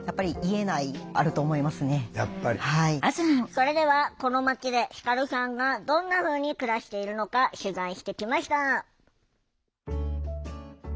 それではこの町で輝さんがどんなふうに暮らしているのか取材してきました。